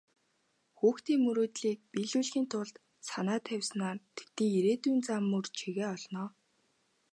Хүүхдүүдийн мөрөөдлийг биелүүлэхийн тулд санаа тавьснаар тэдний ирээдүйн зам мөр чигээ олно.